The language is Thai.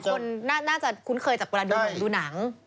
เพราะว่าหลายคนน่าจะคุ้นเคยจากเวลาดูหนัง